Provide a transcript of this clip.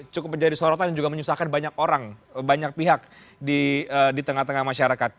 cukup menjadi sorotan dan juga menyusahkan banyak orang banyak pihak di tengah tengah masyarakat